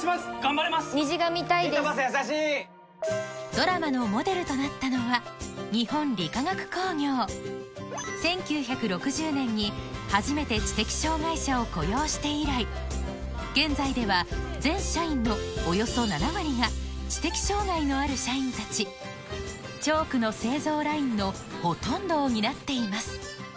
ドラマのモデルとなったのは日本理化学工業１９６０年に初めて知的障がい者を雇用して以来現在では全社員のおよそ７割が知的障がいのある社員たちチョークの製造ラインのほとんどを担っています